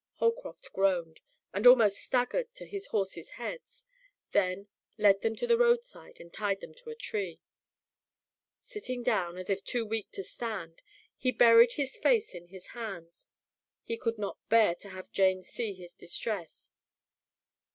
Holcroft groaned and almost staggered to his horses' heads, then led them to the roadside and tied them to a tree. Sitting down, as if too weak to stand, he buried his face in his hands. He could not bear to have Jane see his distress.